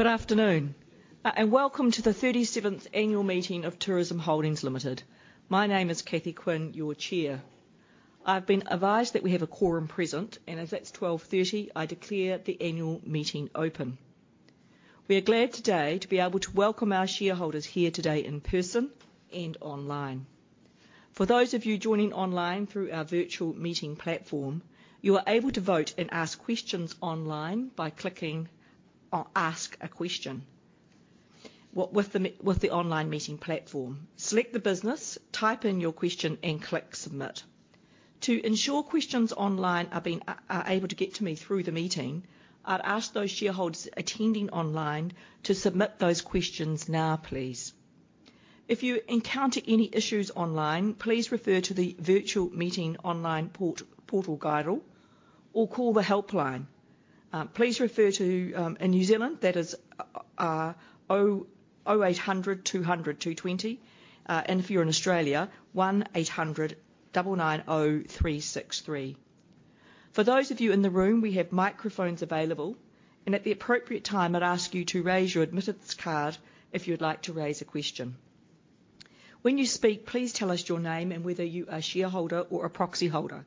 Good afternoon, and welcome to the 37th annual meeting of Tourism Holdings Limited. My name is Cathy Quinn, your chair. I've been advised that we have a quorum present, and as it's 12:30 P.M., I declare the annual meeting open. We are glad today to be able to welcome our shareholders here today in person and online. For those of you joining online through our virtual meeting platform, you are able to vote and ask questions online by clicking on Ask A Question. With the online meeting platform, select the business, type in your question, and click Submit. To ensure questions online are being able to get to me through the meeting, I'd ask those shareholders attending online to submit those questions now, please. If you encounter any issues online, please refer to the virtual meeting online portal guide or call the helpline. Please refer to... In New Zealand, that is 0800 200 220. And if you're in Australia, 1800 99 0363. For those of you in the room, we have microphones available, and at the appropriate time, I'd ask you to raise your admittance card if you'd like to raise a question. When you speak, please tell us your name and whether you are a shareholder or a proxy holder.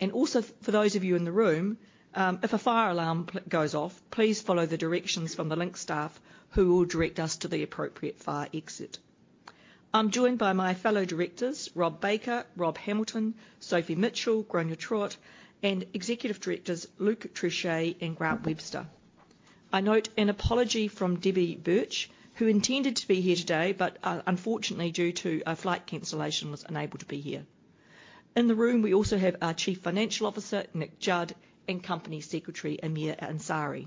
And also, for those of you in the room, if a fire alarm goes off, please follow the directions from the Link staff, who will direct us to the appropriate fire exit. I'm joined by my fellow directors, Rob Baker, Rob Hamilton, Sophie Mitchell, Gráinne Troute, and Executive Directors Luke Trouchet and Grant Webster. I note an apology from Debbie Birch, who intended to be here today but, unfortunately, due to a flight cancellation, was unable to be here. In the room, we also have our Chief Financial Officer, Nick Judd, and Company Secretary, Amir Ansari.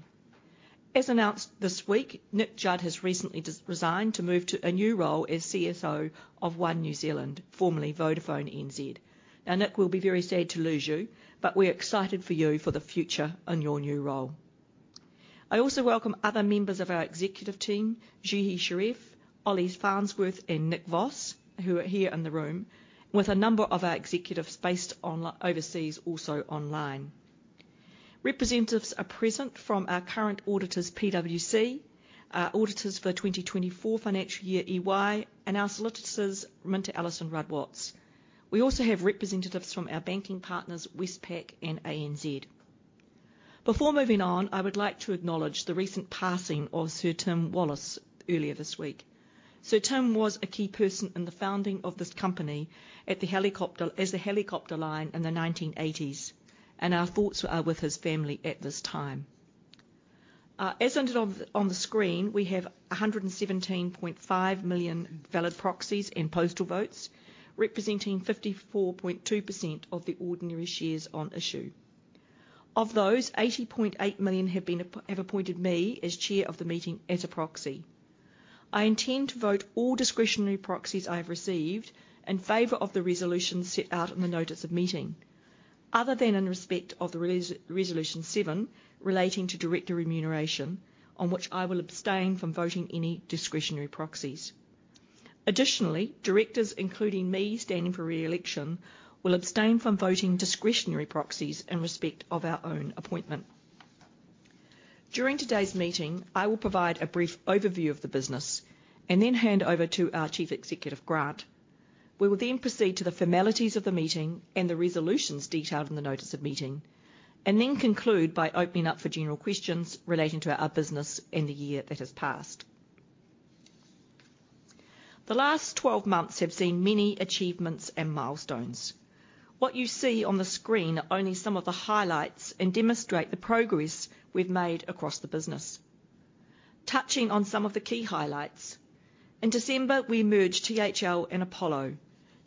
As announced this week, Nick Judd has recently resigned to move to a new role as CFO of One New Zealand, formerly Vodafone NZ. Now, Nick, we'll be very sad to lose you, but we're excited for you for the future in your new role. I also welcome other members of our executive team, Juhi Shareef, Ollie Farnsworth, and Nick Voss, who are here in the room, with a number of our executives based overseas, also online. Representatives are present from our current auditors, PwC, our auditors for 2024 financial year, EY, and our solicitors, MinterEllisonRuddWatts. We also have representatives from our banking partners, Westpac and ANZ. Before moving on, I would like to acknowledge the recent passing of Sir Tim Wallis earlier this week. Sir Tim was a key person in the founding of this company as The Helicopter Line in the 1980s, and our thoughts are with his family at this time. As noted on the screen, we have 117.5 million valid proxies and postal votes, representing 54.2% of the ordinary shares on issue. Of those, 80.8 million have appointed me as chair of the meeting as a proxy. I intend to vote all discretionary proxies I have received in favor of the resolutions set out in the notice of meeting, other than in respect of resolution seven, relating to director remuneration, on which I will abstain from voting any discretionary proxies. Additionally, directors, including me, standing for re-election, will abstain from voting discretionary proxies in respect of our own appointment. During today's meeting, I will provide a brief overview of the business and then hand over to our Chief Executive, Grant. We will then proceed to the formalities of the meeting and the resolutions detailed in the notice of meeting, and then conclude by opening up for general questions relating to our business and the year that has passed. The last 12 months have seen many achievements and milestones. What you see on the screen are only some of the highlights and demonstrate the progress we've made across the business. Touching on some of the key highlights, in December, we merged THL and Apollo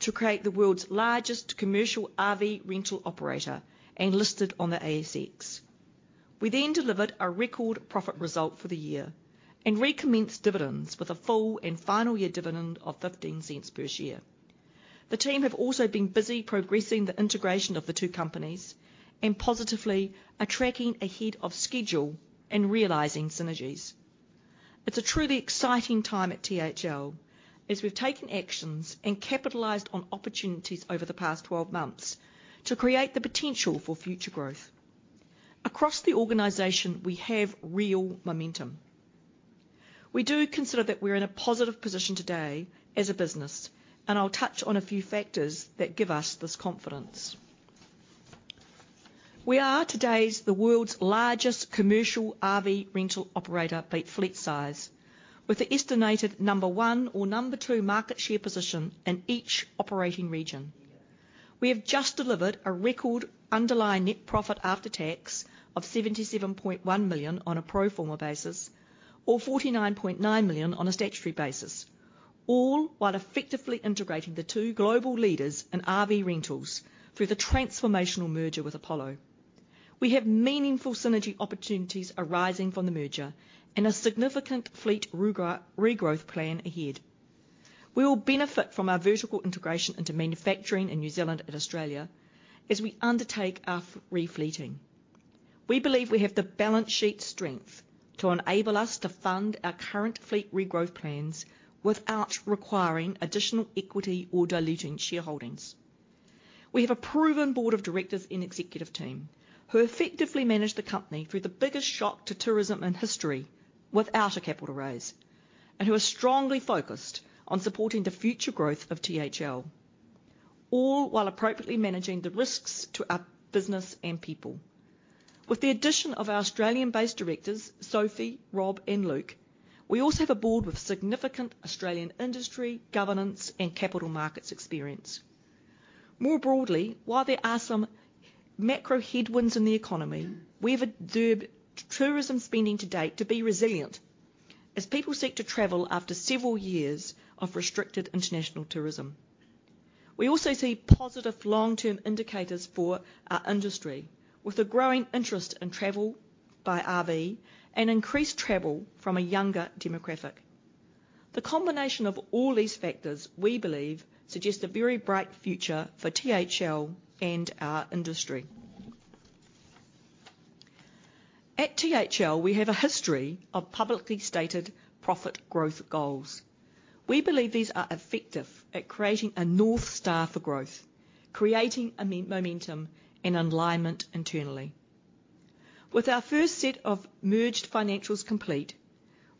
to create the world's largest commercial RV rental operator and listed on the ASX. We then delivered a record profit result for the year and recommenced dividends with a full and final year dividend of 0.15 per share. The team have also been busy progressing the integration of the two companies and positively are tracking ahead of schedule and realizing synergies. It's a truly exciting time at THL, as we've taken actions and capitalized on opportunities over the past 12 months to create the potential for future growth. Across the organization, we have real momentum. We do consider that we're in a positive position today as a business, and I'll touch on a few factors that give us this confidence. We are today the world's largest commercial RV rental operator by fleet size, with an estimated number one or number two market share position in each operating region. We have just delivered a record underlying net profit after tax of 77.1 million on a pro forma basis, or 49.9 million on a statutory basis, all while effectively integrating the two global leaders in RV rentals through the transformational merger with Apollo. We have meaningful synergy opportunities arising from the merger and a significant fleet regrowth plan ahead. We will benefit from our vertical integration into manufacturing in New Zealand and Australia as we undertake our refleeting. We believe we have the balance sheet strength to enable us to fund our current fleet regrowth plans without requiring additional equity or diluting shareholdings. We have a proven board of directors and executive team, who effectively managed the company through the biggest shock to tourism in history without a capital raise, and who are strongly focused on supporting the future growth of THL, all while appropriately managing the risks to our business and people. With the addition of our Australian-based directors, Sophie, Rob, and Luke, we also have a board with significant Australian industry, governance, and capital markets experience. More broadly, while there are some macro headwinds in the economy, we've observed tourism spending to date to be resilient, as people seek to travel after several years of restricted international tourism. We also see positive long-term indicators for our industry, with a growing interest in travel by RV and increased travel from a younger demographic. The combination of all these factors, we believe, suggest a very bright future for THL and our industry. At THL, we have a history of publicly stated profit growth goals. We believe these are effective at creating a North Star for growth, creating a momentum and alignment internally. With our first set of merged financials complete,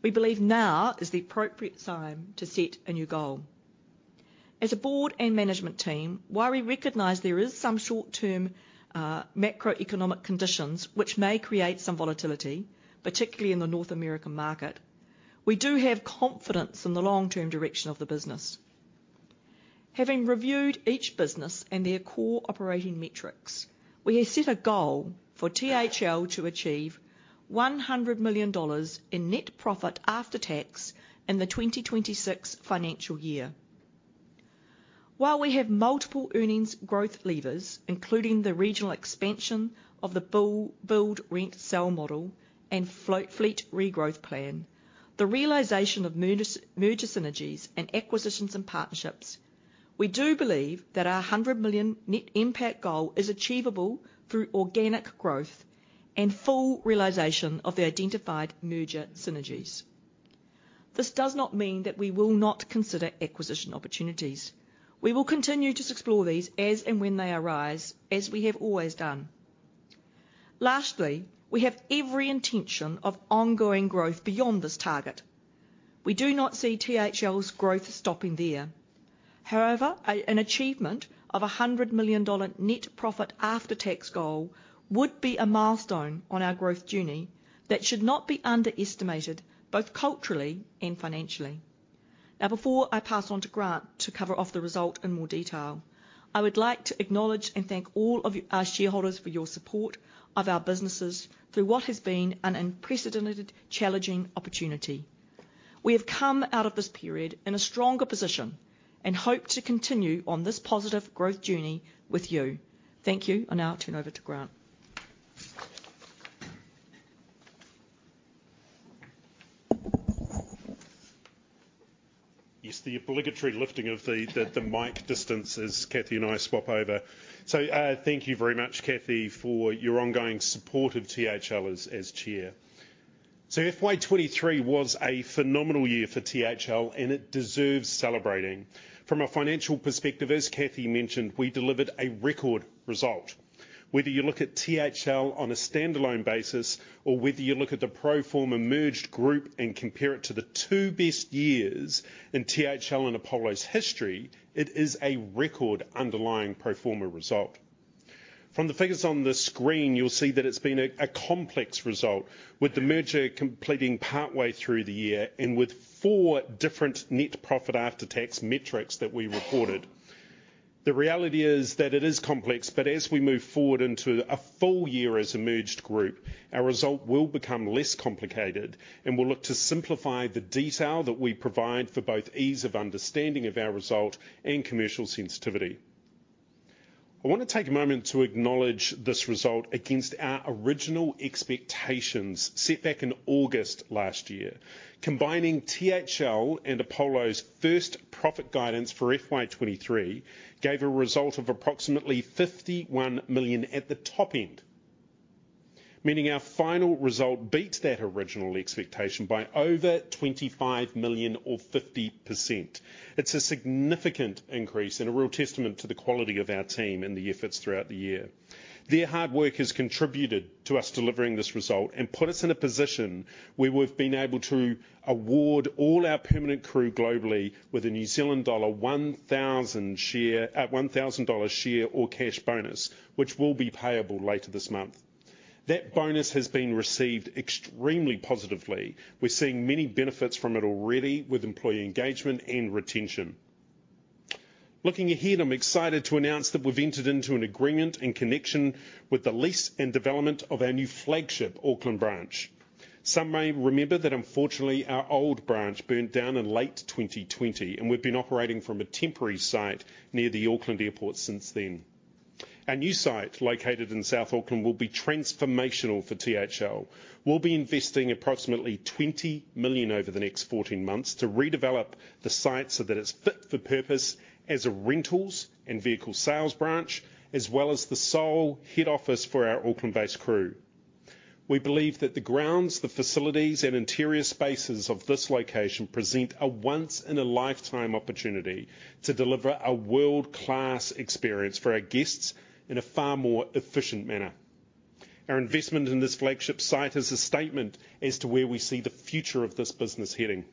we believe now is the appropriate time to set a new goal. As a board and management team, while we recognize there is some short-term, macroeconomic conditions which may create some volatility, particularly in the North American market, we do have confidence in the long-term direction of the business. Having reviewed each business and their core operating metrics, we have set a goal for THL to achieve 100 million dollars in net profit after tax in the 2026 financial year. While we have multiple earnings growth levers, including the regional expansion of the build, rent, sell model and float fleet regrowth plan, the realization of merger synergies and acquisitions and partnerships, we do believe that our 100 million net impact goal is achievable through organic growth and full realization of the identified merger synergies. This does not mean that we will not consider acquisition opportunities. We will continue to explore these as and when they arise, as we have always done. Lastly, we have every intention of ongoing growth beyond this target. We do not see THL's growth stopping there. However, an achievement of 100 million dollar net profit after tax goal would be a milestone on our growth journey that should not be underestimated, both culturally and financially. Now, before I pass on to Grant to cover off the result in more detail, I would like to acknowledge and thank all of our shareholders for your support of our businesses through what has been an unprecedented, challenging opportunity. We have come out of this period in a stronger position and hope to continue on this positive growth journey with you. Thank you. I now turn over to Grant. Yes, the obligatory lifting of the mic distance as Cathy and I swap over. So, thank you very much, Cathy, for your ongoing support of THL as chair. So FY 2023 was a phenomenal year for THL, and it deserves celebrating. From a financial perspective, as Cathy mentioned, we delivered a record result. Whether you look at THL on a standalone basis, or whether you look at the pro forma merged group and compare it to the two best years in THL and Apollo's history, it is a record underlying pro forma result. From the figures on the screen, you'll see that it's been a complex result. With the merger completing partway through the year and with four different net profit after tax metrics that we reported. The reality is that it is complex, but as we move forward into a full year as a merged group, our result will become less complicated, and we'll look to simplify the detail that we provide for both ease of understanding of our result and commercial sensitivity. I want to take a moment to acknowledge this result against our original expectations, set back in August last year. Combining THL and Apollo's first profit guidance for FY 2023 gave a result of approximately 51 million at the top end, meaning our final result beat that original expectation by over 25 million or 50%. It's a significant increase and a real testament to the quality of our team and the efforts throughout the year. Their hard work has contributed to us delivering this result and put us in a position where we've been able to award all our permanent crew globally with a New Zealand dollar 1,000 share or cash bonus, which will be payable later this month. That bonus has been received extremely positively. We're seeing many benefits from it already with employee engagement and retention. Looking ahead, I'm excited to announce that we've entered into an agreement in connection with the lease and development of our new flagship Auckland branch. Some may remember that unfortunately, our old branch burned down in late 2020, and we've been operating from a temporary site near the Auckland Airport since then. Our new site, located in South Auckland, will be transformational for THL. We'll be investing approximately 20 million over the next 14 months to redevelop the site so that it's fit for purpose as a rentals and vehicle sales branch, as well as the sole head office for our Auckland-based crew. We believe that the grounds, the facilities, and interior spaces of this location present a once-in-a-lifetime opportunity to deliver a world-class experience for our guests in a far more efficient manner. Our investment in this flagship site is a statement as to where we see the future of this business heading.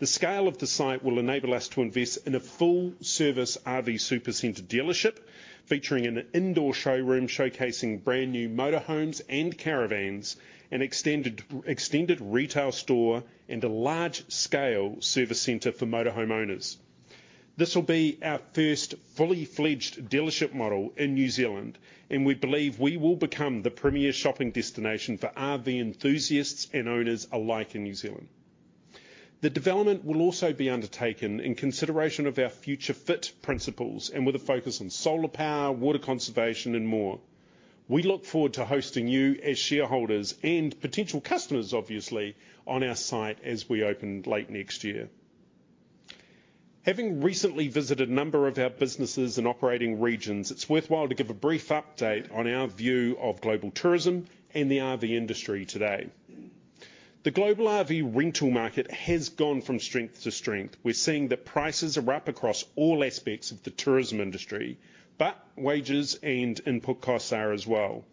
The scale of the site will enable us to invest in a full-service RV Super Centre dealership, featuring an indoor showroom showcasing brand-new motor homes and caravans, an extended, extended retail store, and a large-scale service center for motor home owners. This will be our first full-fledged dealership model in New Zealand, and we believe we will become the premier shopping destination for RV enthusiasts and owners alike in New Zealand. The development will also be undertaken in consideration of our future fit principles and with a focus on solar power, water conservation, and more. We look forward to hosting you as shareholders and potential customers, obviously, on our site as we open late next year. Having recently visited a number of our businesses and operating regions, it's worthwhile to give a brief update on our view of global tourism and the RV industry today. The global RV rental market has gone from strength to strength. We're seeing that prices are up across all aspects of the tourism industry, but wages and input costs are as well.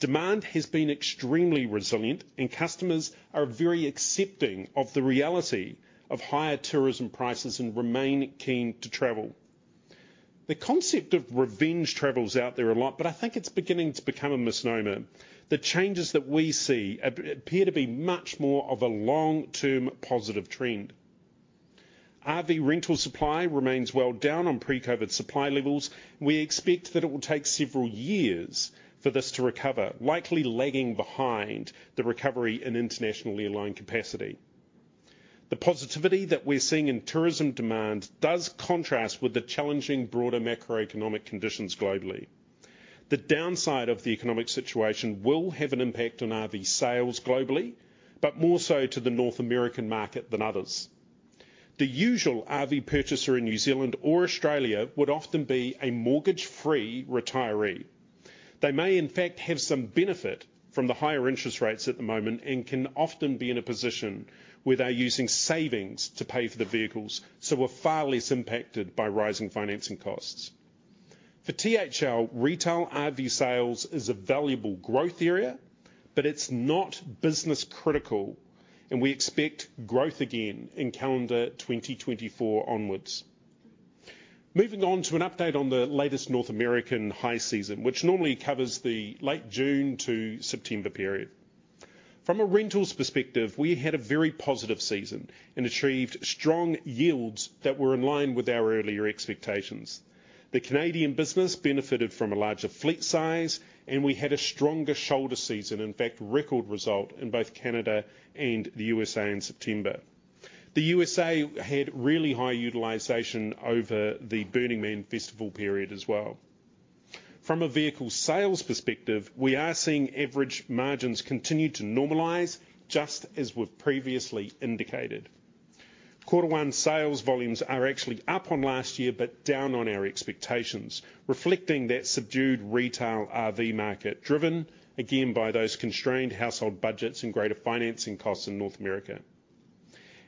Demand has been extremely resilient, and customers are very accepting of the reality of higher tourism prices and remain keen to travel. The concept of revenge travel is out there a lot, but I think it's beginning to become a misnomer. The changes that we see appear to be much more of a long-term positive trend. RV rental supply remains well down on pre-COVID supply levels. We expect that it will take several years for this to recover, likely lagging behind the recovery in internationally aligned capacity. The positivity that we're seeing in tourism demand does contrast with the challenging broader macroeconomic conditions globally. The downside of the economic situation will have an impact on RV sales globally, but more so to the North American market than others. The usual RV purchaser in New Zealand or Australia would often be a mortgage-free retiree. They may, in fact, have some benefit from the higher interest rates at the moment and can often be in a position where they're using savings to pay for the vehicles, so are far less impacted by rising financing costs. For THL, retail RV sales is a valuable growth area, but it's not business critical, and we expect growth again in calendar 2024 onwards. Moving on to an update on the latest North American high season, which normally covers the late June to September period. From a rentals perspective, we had a very positive season and achieved strong yields that were in line with our earlier expectations. The Canadian business benefited from a larger fleet size, and we had a stronger shoulder season, in fact, record result in both Canada and the USA in September. The USA had really high utilization over the Burning Man festival period as well. From a vehicle sales perspective, we are seeing average margins continue to normalize just as we've previously indicated. Quarter one sales volumes are actually up on last year, but down on our expectations, reflecting that subdued retail RV market, driven again by those constrained household budgets and greater financing costs in North America.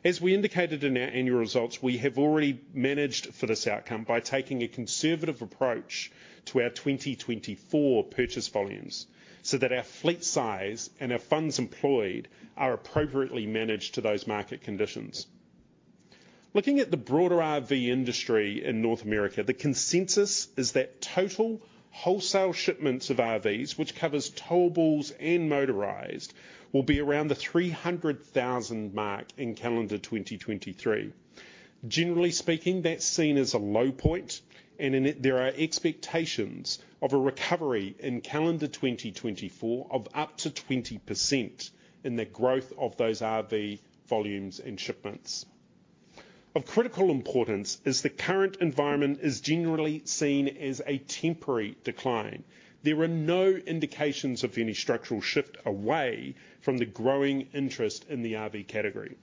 As we indicated in our annual results, we have already managed for this outcome by taking a conservative approach to our 2024 purchase volumes, so that our fleet size and our funds employed are appropriately managed to those market conditions. Looking at the broader RV industry in North America, the consensus is that total wholesale shipments of RVs, which covers towables and motorized, will be around the 300,000 mark in calendar 2023. Generally speaking, that's seen as a low point, and in it there are expectations of a recovery in calendar 2024 of up to 20% in the growth of those RV volumes and shipments. Of critical importance is the current environment is generally seen as a temporary decline. There are no indications of any structural shift away from the growing interest in the RV category.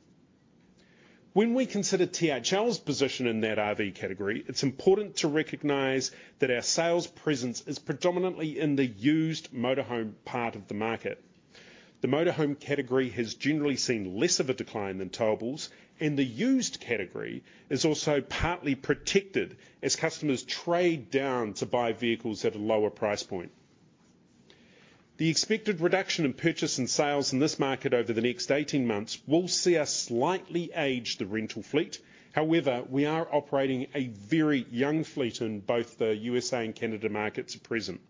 When we consider THL's position in that RV category, it's important to recognize that our sales presence is predominantly in the used motor home part of the market. The motor home category has generally seen less of a decline than towables, and the used category is also partly protected as customers trade down to buy vehicles at a lower price point. The expected reduction in purchase and sales in this market over the next 18 months will see us slightly age the rental fleet. However, we are operating a very young fleet in both the USA and Canada markets at present.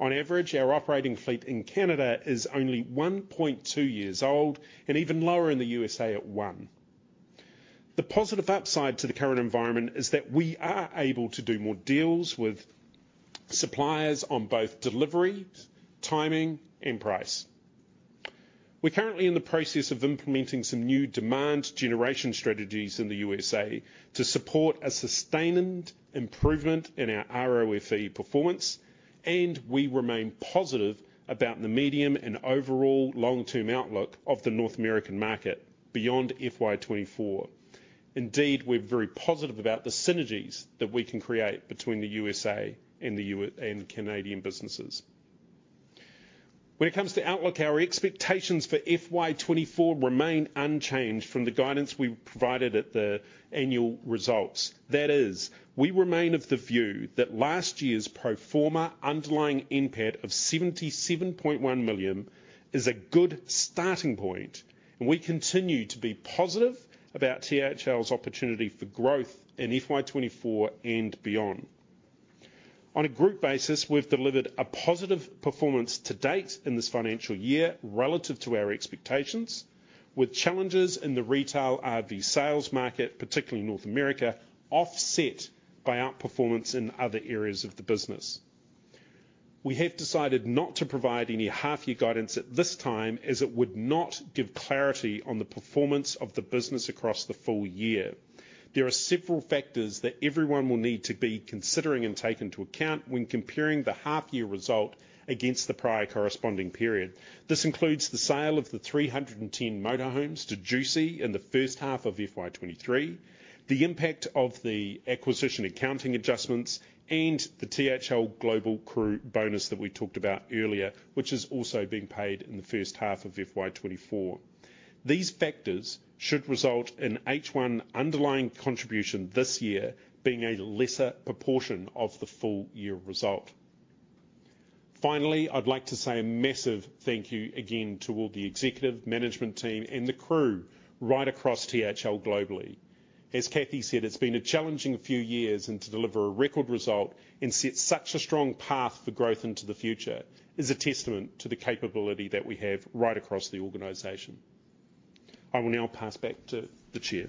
On average, our operating fleet in Canada is only 1.2 years old and even lower in the USA at one. The positive upside to the current environment is that we are able to do more deals with suppliers on both delivery, timing, and price. We're currently in the process of implementing some new demand generation strategies in the USA to support a sustained improvement in our ROFE performance, and we remain positive about the medium and overall long-term outlook of the North American market beyond FY 2024.... Indeed, we're very positive about the synergies that we can create between the USA and the U.K. and Canadian businesses. When it comes to outlook, our expectations for FY 2024 remain unchanged from the guidance we provided at the annual results. That is, we remain of the view that last year's pro forma underlying NPAT of 77.1 million is a good starting point, and we continue to be positive about THL's opportunity for growth in FY 2024 and beyond. On a group basis, we've delivered a positive performance to date in this financial year relative to our expectations, with challenges in the retail RV sales market, particularly in North America, offset by outperformance in other areas of the business. We have decided not to provide any half-year guidance at this time, as it would not give clarity on the performance of the business across the full year. There are several factors that everyone will need to be considering and take into account when comparing the half-year result against the prior corresponding period. This includes the sale of the 310 motor homes to JUCY in the first half of FY 2023, the impact of the acquisition accounting adjustments, and the THL global crew bonus that we talked about earlier, which is also being paid in the first half of FY 2024. These factors should result in H1 underlying contribution this year being a lesser proportion of the full-year result. Finally, I'd like to say a massive thank you again to all the executive management team and the crew right across THL globally. As Cathy said, it's been a challenging few years, and to deliver a record result and set such a strong path for growth into the future is a testament to the capability that we have right across the organization. I will now pass back to the Chair.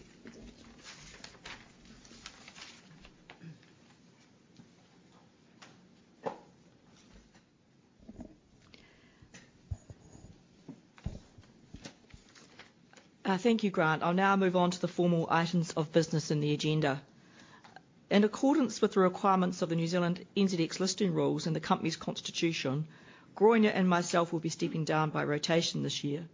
Thank you, Grant. I'll now move on to the formal items of business in the agenda. In accordance with the requirements of the New Zealand NZX listing rules and the company's constitution, Gráinne and myself will be stepping down by rotation this year.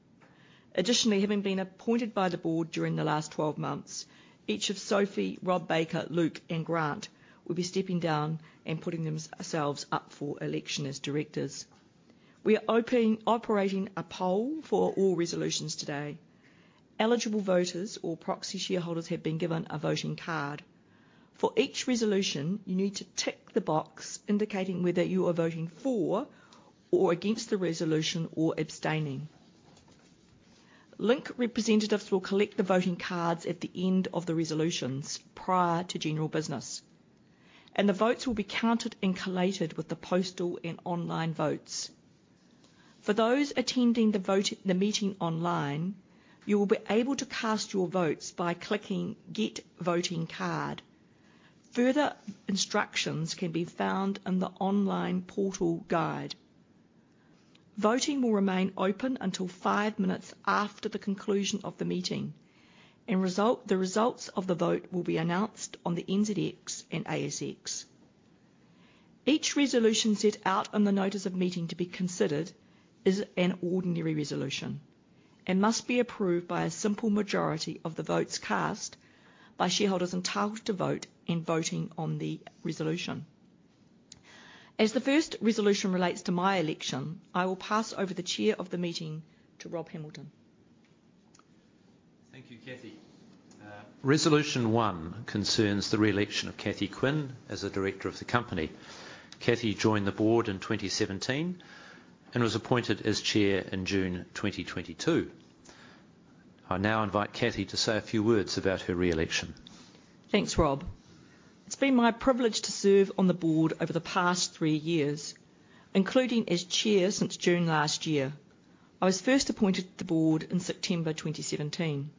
Additionally, having been appointed by the board during the last 12 months, each of Sophie, Rob Baker, Luke, and Grant will be stepping down and putting ourselves up for election as directors. We are operating a poll for all resolutions today. Eligible voters or proxy shareholders have been given a voting card. For each resolution, you need to tick the box indicating whether you are voting for or against the resolution or abstaining. Link representatives will collect the voting cards at the end of the resolutions prior to general business, and the votes will be counted and collated with the postal and online votes. For those attending the meeting online, you will be able to cast your votes by clicking Get Voting Card. Further instructions can be found in the online portal guide. Voting will remain open until five minutes after the conclusion of the meeting, and the results of the vote will be announced on the NZX and ASX. Each resolution set out on the notice of meeting to be considered is an ordinary resolution and must be approved by a simple majority of the votes cast by shareholders entitled to vote and voting on the resolution. As the first resolution relates to my election, I will pass over the chair of the meeting to Rob Hamilton. Thank you, Cathy. Resolution 1 concerns the re-election of Cathy Quinn as a director of the company. Cathy joined the board in 2017 and was appointed as Chair in June 2022. I now invite Cathy to say a few words about her re-election. Thanks, Rob. It's been my privilege to serve on the board over the past three years, including as chair since June last year. I was first appointed to the board in September 2017.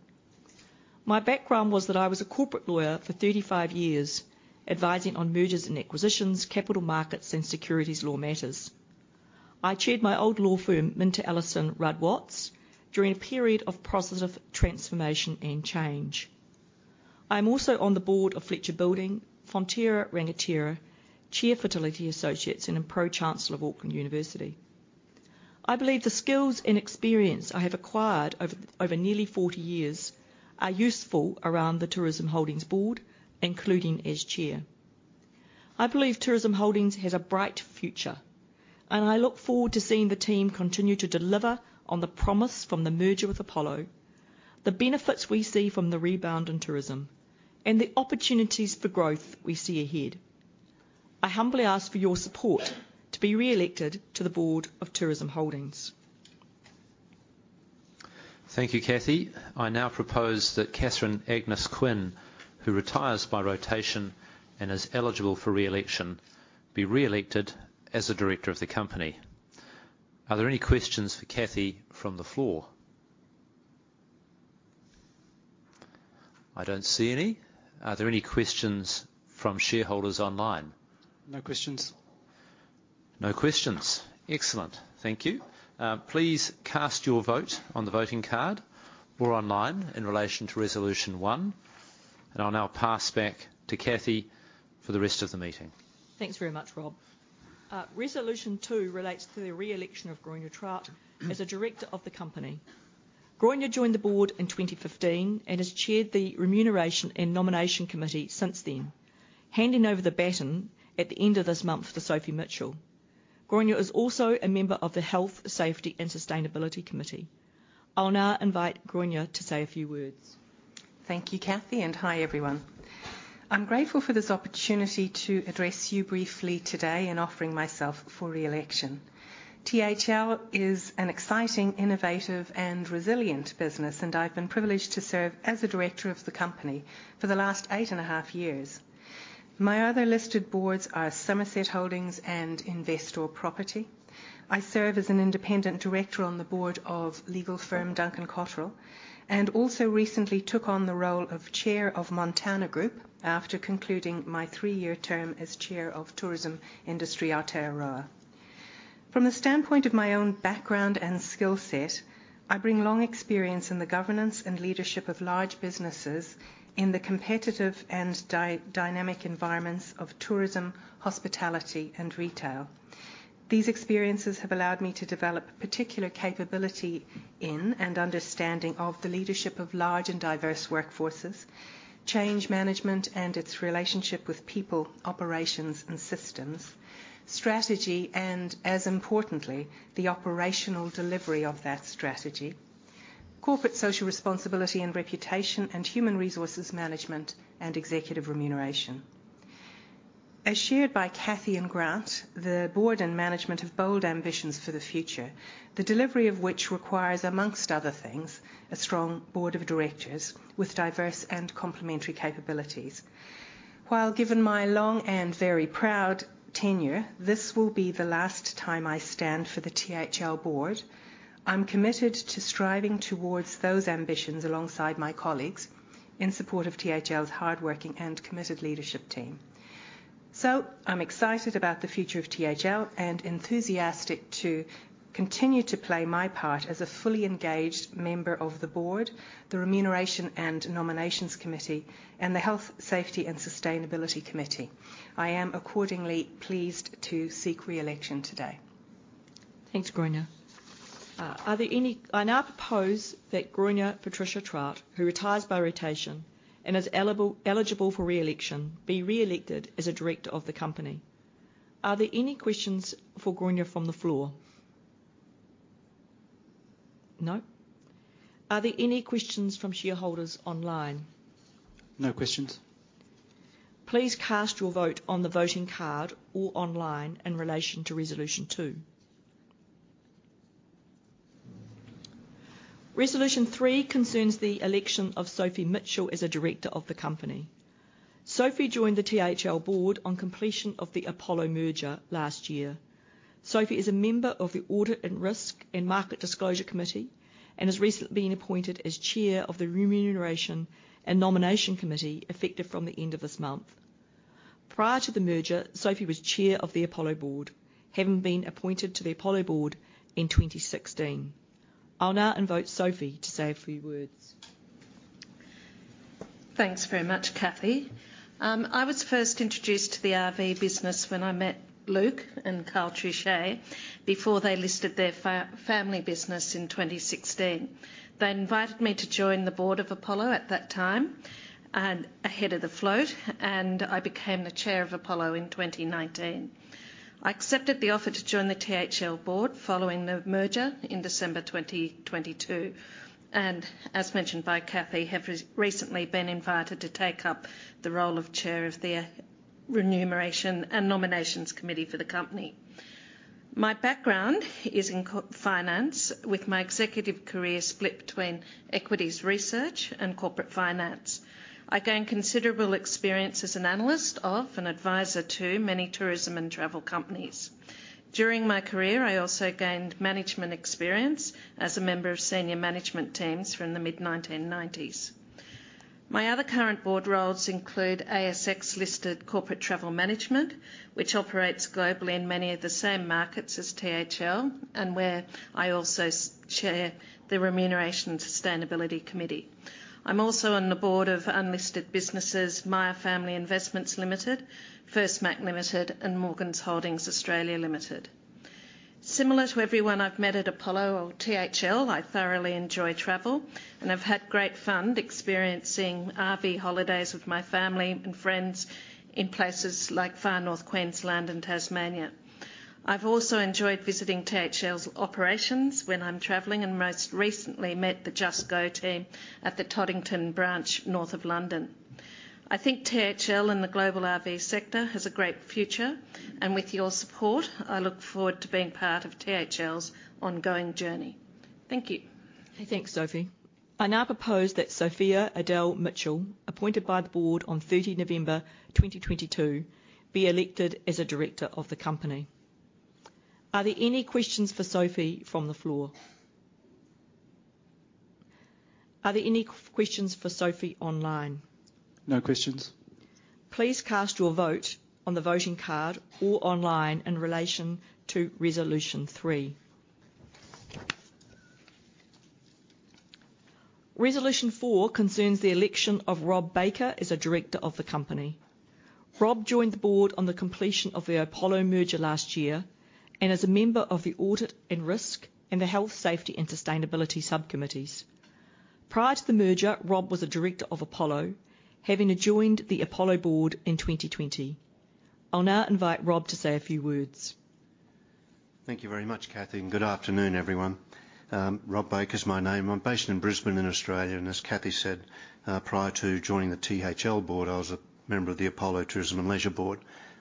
My background was that I was a corporate lawyer for 35 years, advising on mergers and acquisitions, capital markets, and securities law matters. I chaired my old law firm, MinterEllisonRuddWatts, during a period of positive transformation and change. I'm also on the board of Fletcher Building, Fonterra, Rangatira, Chair Fertility Associates, and a Pro-Chancellor of Auckland University. I believe the skills and experience I have acquired over nearly 40 years are useful around the Tourism Holdings board, including as Chair. I believe Tourism Holdings has a bright future, and I look forward to seeing the team continue to deliver on the promise from the merger with Apollo, the benefits we see from the rebound in tourism, and the opportunities for growth we see ahead. I humbly ask for your support to be re-elected to the Board of Tourism Holdings. Thank you, Cathy. I now propose that Catherine Agnes Quinn, who retires by rotation and is eligible for re-election, be re-elected as a director of the company. Are there any questions for Cathy from the floor? I don't see any. Are there any questions from shareholders online? No questions. No questions. Excellent. Thank you. Please cast your vote on the voting card or online in relation to Resolution 1, and I'll now pass back to Cathy for the rest of the meeting. Thanks very much, Rob. Resolution 2 relates to the re-election of Gráinne Troute as a director of the company. Gráinne joined the board in 2015, and has chaired the Remuneration and Nomination Committee since then, handing over the baton at the end of this month to Sophie Mitchell. Gráinne is also a member of the Health, Safety, and Sustainability Committee. I'll now invite Gráinne to say a few words. Thank you, Cathy, and hi, everyone. I'm grateful for this opportunity to address you briefly today in offering myself for re-election. THL is an exciting, innovative, and resilient business, and I've been privileged to serve as a director of the company for the last eight and a half years. My other listed boards are Summerset Holdings and Investore Property. I serve as an independent director on the board of legal firm Duncan Cotterill, and also recently took on the role of Chair of Montana Group after concluding my three-year term as Chair of Tourism Industry Aotearoa. From the standpoint of my own background and skill set, I bring long experience in the governance and leadership of large businesses in the competitive and dynamic environments of tourism, hospitality, and retail. These experiences have allowed me to develop particular capability in and understanding of the leadership of large and diverse workforces, change management and its relationship with people, operations, and systems, strategy, and as importantly, the operational delivery of that strategy, corporate social responsibility and reputation, and human resources management and executive remuneration. As shared by Cathy and Grant, the board and management have bold ambitions for the future, the delivery of which requires, among other things, a strong board of directors with diverse and complementary capabilities. While given my long and very proud tenure, this will be the last time I stand for the THL board, I'm committed to striving toward those ambitions alongside my colleagues in support of THL's hardworking and committed leadership team. I'm excited about the future of THL and enthusiastic to continue to play my part as a fully engaged member of the board, the Remuneration and Nomination Committee, and the Health, Safety, and Sustainability Committee. I am accordingly pleased to seek re-election today. Thanks, Gráinne. Are there any—I now propose that Gráinne Patricia Troute, who retires by rotation and is eligible for re-election, be re-elected as a director of the company. Are there any questions for Gráinne from the floor? No. Are there any questions from shareholders online? No questions. Please cast your vote on the voting card or online in relation to Resolution 2. Resolution 3 concerns the election of Sophie Mitchell as a director of the company. Sophie joined the THL board on completion of the Apollo merger last year. Sophie is a member of the Audit and Risk and Market Disclosure Committee, and has recently been appointed as Chair of the Remuneration and Nomination Committee, effective from the end of this month. Prior to the merger, Sophie was Chair of the Apollo board, having been appointed to the Apollo board in 2016. I'll now invite Sophie to say a few words. Thanks very much, Cathy. I was first introduced to the RV business when I met Luke and Karl Trouchet before they listed their family business in 2016. They invited me to join the board of Apollo at that time and ahead of the float, and I became the chair of Apollo in 2019. I accepted the offer to join the THL board following the merger in December 2022, and as mentioned by Cathy, have recently been invited to take up the role of Chair of the Remuneration and Nominations Committee for the company. My background is in corporate finance, with my executive career split between equities research and corporate finance. I gained considerable experience as an analyst of, and advisor to, many tourism and travel companies. During my career, I also gained management experience as a member of senior management teams from the mid-1990s. My other current board roles include ASX-listed Corporate Travel Management, which operates globally in many of the same markets as THL, and where I also chair the Remuneration and Sustainability Committee. I'm also on the board of unlisted businesses, Myer Family Investments Limited, Firstmac Limited, and Morgans Holdings (Australia) Limited. Similar to everyone I've met at Apollo or THL, I thoroughly enjoy travel, and I've had great fun experiencing RV holidays with my family and friends in places like Far North Queensland and Tasmania. I've also enjoyed visiting THL's operations when I'm traveling, and most recently met the Just go team at the Toddington branch, north of London. I think THL and the global RV sector has a great future, and with your support, I look forward to being part of THL's ongoing journey. Thank you. Thanks, Sophie. I now propose that Sophia Adele Mitchell, appointed by the board on 30 November 2022, be elected as a director of the company. Are there any questions for Sophie from the floor? Are there any questions for Sophie online? No questions. Please cast your vote on the voting card or online in relation to Resolution 3.... Resolution four concerns the election of Rob Baker as a director of the company. Rob joined the board on the completion of the Apollo merger last year, and is a member of the Audit and Risk, and the Health, Safety and Sustainability Subcommittees. Prior to the merger, Rob was a director of Apollo, having joined the Apollo board in 2020. I'll now invite Rob to say a few words. Thank you very much, Cathy, and good afternoon, everyone. Rob Baker is my name. I'm based in Brisbane, in Australia, and as Cathy said, prior to joining the THL board, I was a member of the Apollo Tourism and Leisure Board.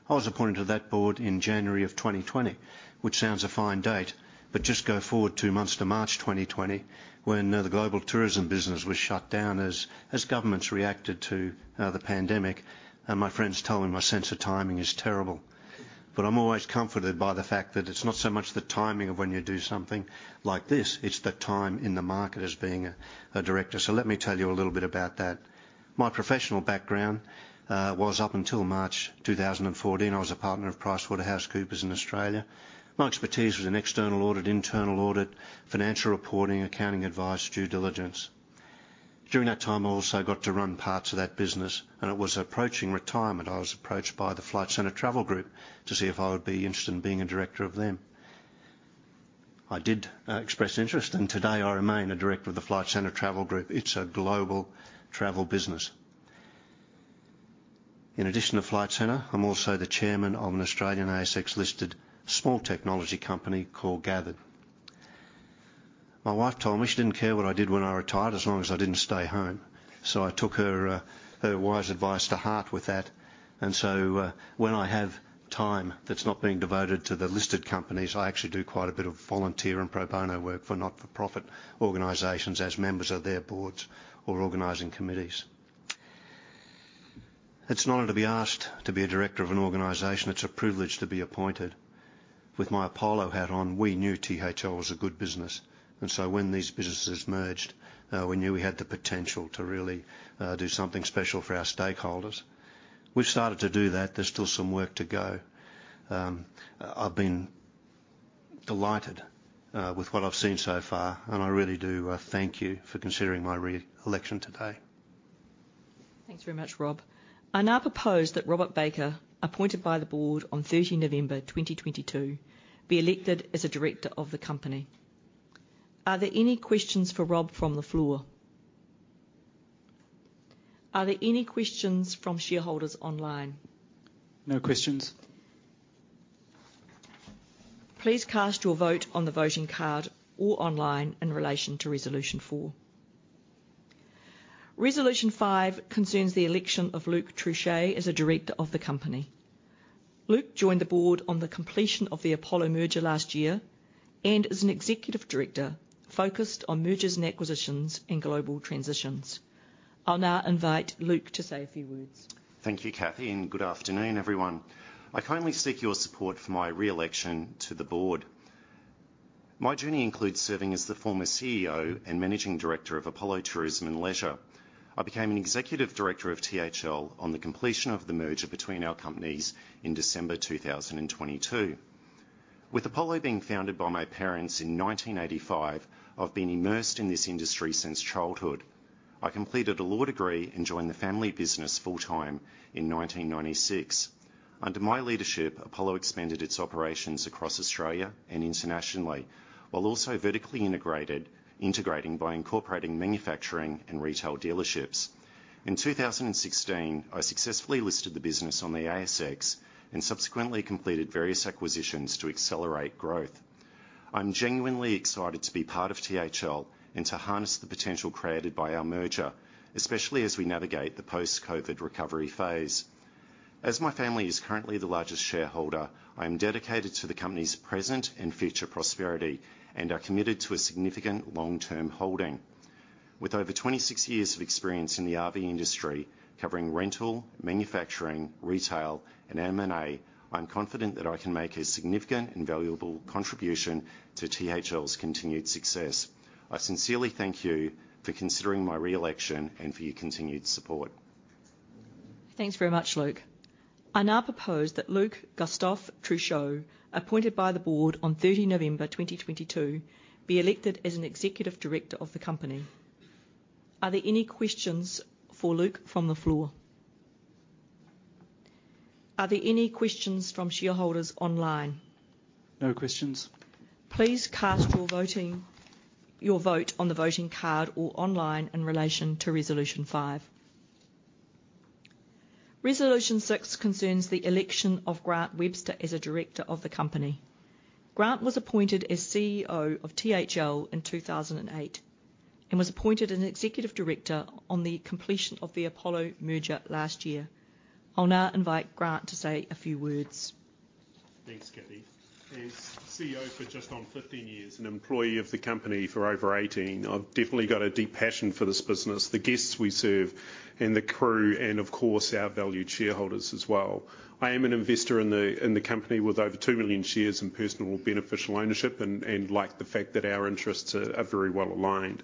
I was appointed to that board in January 2020, which sounds a fine date, but just go forward two months to March 2020, when the global tourism business was shut down as governments reacted to the pandemic. My friends tell me my sense of timing is terrible. I'm always comforted by the fact that it's not so much the timing of when you do something like this, it's the time in the market as being a director. Let me tell you a little bit about that. My professional background was up until March 2014. I was a partner of PricewaterhouseCoopers in Australia. My expertise was in external audit, internal audit, financial reporting, accounting advice, due diligence. During that time, I also got to run parts of that business, and I was approaching retirement. I was approached by the Flight Centre Travel Group to see if I would be interested in being a director of them. I did express interest, and today I remain a director of the Flight Centre Travel Group. It's a global travel business. In addition to Flight Centre, I'm also the chairman of an Australian ASX-listed small technology company called Gathid. My wife told me she didn't care what I did when I retired, as long as I didn't stay home, so I took her wise advice to heart with that. And so, when I have time that's not being devoted to the listed companies, I actually do quite a bit of volunteer and pro bono work for not-for-profit organizations as members of their boards or organizing committees. It's an honor to be asked to be a director of an organization. It's a privilege to be appointed. With my Apollo hat on, we knew THL was a good business, and so when these businesses merged, we knew we had the potential to really do something special for our stakeholders. We've started to do that. There's still some work to go. I've been delighted with what I've seen so far, and I really do thank you for considering my re-election today. Thanks very much, Rob. I now propose that Robert Baker, appointed by the board on 13 November 2022, be elected as a director of the company. Are there any questions for Rob from the floor? Are there any questions from shareholders online? No questions. Please cast your vote on the voting card or online in relation to resolution Resolution 5 concerns the election of Luke Trouchet as a director of the company. Luke joined the board on the completion of the Apollo merger last year, and is an executive director focused on mergers and acquisitions and global transitions. I'll now invite Luke to say a few words. Thank you, Cathy, and good afternoon, everyone. I kindly seek your support for my re-election to the board. My journey includes serving as the former CEO and Managing Director of Apollo Tourism and Leisure. I became an Executive Director of THL on the completion of the merger between our companies in December 2022. With Apollo being founded by my parents in 1985, I've been immersed in this industry since childhood. I completed a law degree and joined the family business full-time in 1996. Under my leadership, Apollo expanded its operations across Australia and internationally, while also vertically integrated by incorporating manufacturing and retail dealerships. In 2016, I successfully listed the business on the ASX and subsequently completed various acquisitions to accelerate growth. I'm genuinely excited to be part of THL and to harness the potential created by our merger, especially as we navigate the post-COVID recovery phase. As my family is currently the largest shareholder, I am dedicated to the company's present and future prosperity and are committed to a significant long-term holding. With over 26 years of experience in the RV industry, covering rental, manufacturing, retail, and M&A, I'm confident that I can make a significant and valuable contribution to THL's continued success. I sincerely thank you for considering my re-election and for your continued support. Thanks very much, Luke. I now propose that Mr. Luke Gustave Trouchet, appointed by the board on 30 November 2022, be elected as an executive director of the company. Are there any questions for Luke from the floor? Are there any questions from shareholders online? No questions. Please cast your vote on the voting card or online in relation to Resolution 5. Resolution 6 concerns the election of Grant Webster as a director of the company. Grant was appointed as CEO of THL in 2008, and was appointed an executive director on the completion of the Apollo merger last year. I'll now invite Grant to say a few words. Thanks, Cathy. As CEO for just on 15 years, an employee of the company for over 18, I've definitely got a deep passion for this business, the guests we serve, and the crew, and of course, our valued shareholders as well. I am an investor in the, in the company, with over 2 million shares in personal beneficial ownership and, and like the fact that our interests are, are very well aligned.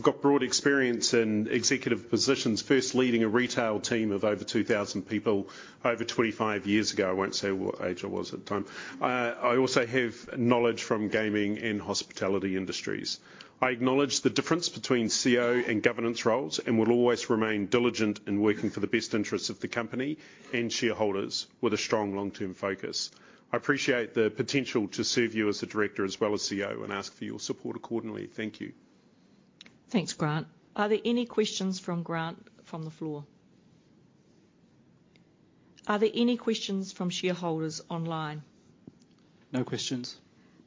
I've got broad experience in executive positions, first leading a retail team of over 2,000 people over 25 years ago. I won't say what age I was at the time. I also have knowledge from gaming and hospitality industries. I acknowledge the difference between CEO and governance roles and will always remain diligent in working for the best interests of the company and shareholders with a strong long-term focus. I appreciate the potential to serve you as a director as well as CEO and ask for your support accordingly. Thank you. ... Thanks, Grant. Are there any questions from Grant from the floor? Are there any questions from shareholders online? No questions.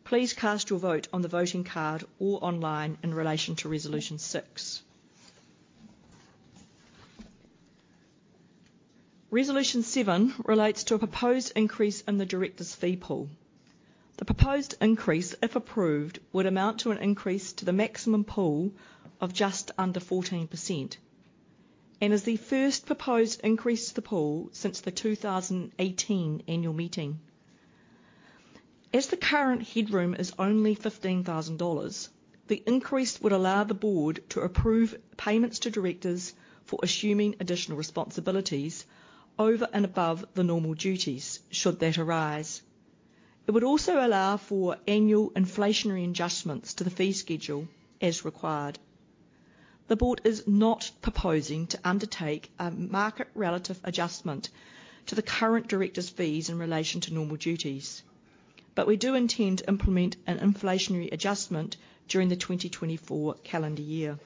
Please cast your vote on the voting card or online in relation to Resolution 6. Resolution 7 relates to a proposed increase in the director's fee pool. The proposed increase, if approved, would amount to an increase to the maximum pool of just under 14%, and is the first proposed increase to the pool since the 2018 annual meeting. As the current headroom is only 15,000 dollars, the increase would allow the board to approve payments to directors for assuming additional responsibilities over and above the normal duties, should that arise. It would also allow for annual inflationary adjustments to the fee schedule as required. The board is not proposing to undertake a market-relative adjustment to the current directors' fees in relation to normal duties, but we do intend to implement an inflationary adjustment during the 2024 calendar year.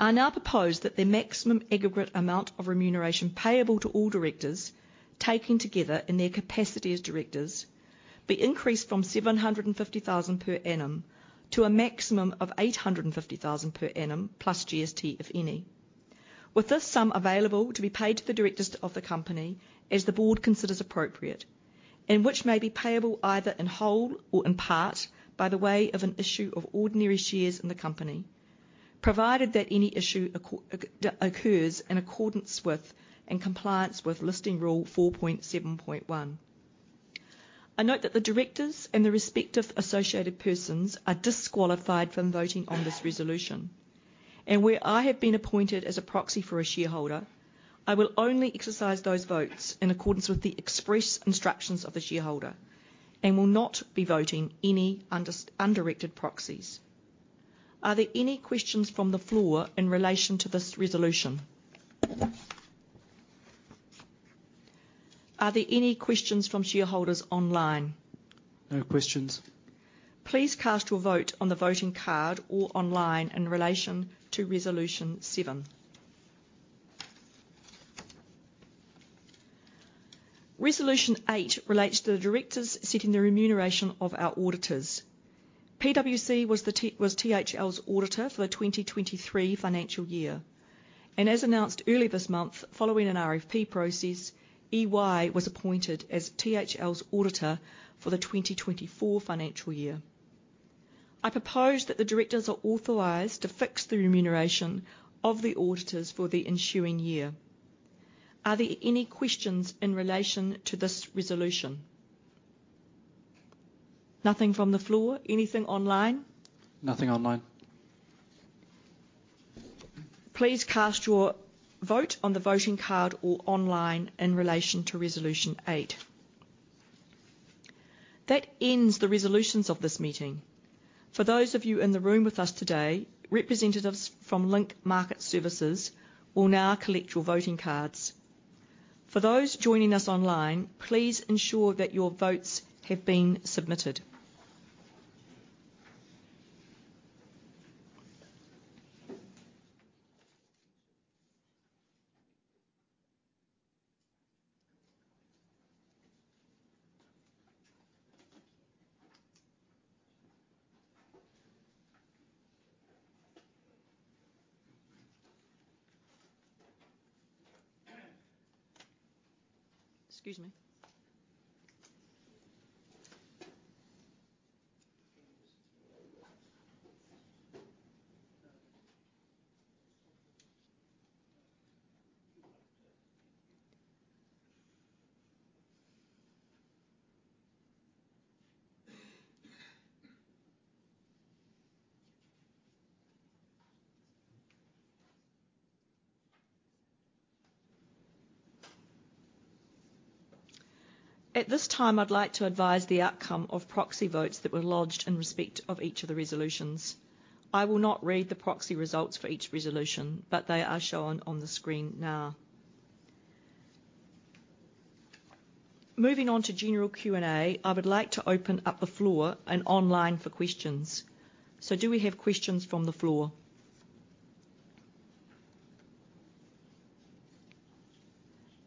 I now propose that the maximum aggregate amount of remuneration payable to all directors, taken together in their capacity as directors, be increased from 750,000 per annum to a maximum of 850,000 per annum, plus GST, if any. With this sum available to be paid to the directors of the company, as the board considers appropriate, and which may be payable either in whole or in part, by the way of an issue of ordinary shares in the company, provided that any issue occurs in accordance with and compliance with Listing Rule 4.7.1. I note that the directors and the respective associated persons are disqualified from voting on this resolution. Where I have been appointed as a proxy for a shareholder, I will only exercise those votes in accordance with the express instructions of the shareholder and will not be voting any undirected proxies. Are there any questions from the floor in relation to this resolution? Are there any questions from shareholders online? No questions. Please cast your vote on the voting card or online in relation to Resolution 7. Resolution 8 relates to the directors setting the remuneration of our auditors. PwC was THL's auditor for the 2023 financial year, and as announced early this month, following an RFP process, EY was appointed as THL's auditor for the 2024 financial year. I propose that the directors are authorized to fix the remuneration of the auditors for the ensuing year. Are there any questions in relation to this resolution? Nothing from the floor. Anything online? Nothing online. Please cast your vote on the voting card or online in relation to Resolution 8. That ends the resolutions of this meeting. For those of you in the room with us today, representatives from Link Market Services will now collect your voting cards. For those joining us online, please ensure that your votes have been submitted. Excuse me. At this time, I'd like to advise the outcome of proxy votes that were lodged in respect of each of the resolutions. I will not read the proxy results for each resolution, but they are shown on the screen now. Moving on to general Q&A, I would like to open up the floor and online for questions. So do we have questions from the floor?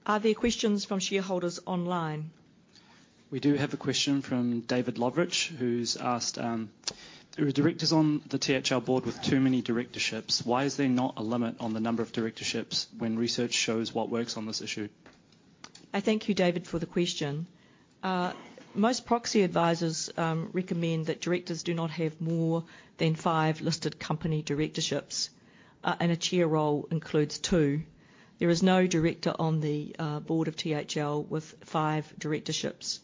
Are there questions from shareholders online? We do have a question from David Lovrich, who's asked: "There are directors on the THL board with too many directorships. Why is there not a limit on the number of directorships when research shows what works on this issue? I thank you, David, for the question. Most proxy advisors recommend that directors do not have more than five listed company directorships, and a chair role includes two. There is no director on the board of THL with five directorships.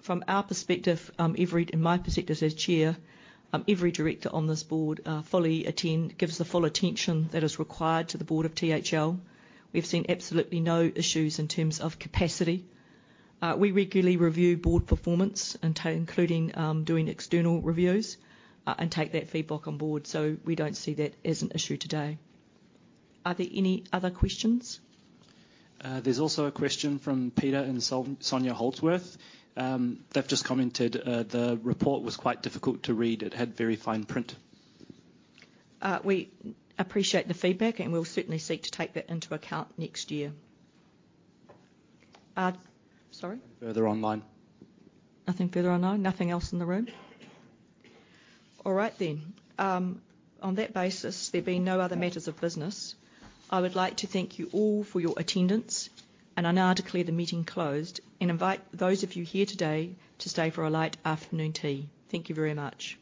From our perspective, and my perspective as chair, every director on this board fully attend, gives the full attention that is required to the board of THL. We've seen absolutely no issues in terms of capacity. We regularly review board performance, including doing external reviews, and take that feedback on board, so we don't see that as an issue today. Are there any other questions? There's also a question from Peter and Sol- Sonia Holdsworth. They've just commented, "The report was quite difficult to read. It had very fine print. We appreciate the feedback, and we'll certainly seek to take that into account next year. Sorry? Further online. Nothing further online. Nothing else in the room? All right, then. On that basis, there being no other matters of business, I would like to thank you all for your attendance, and I now declare the meeting closed and invite those of you here today to stay for a light afternoon tea. Thank you very much.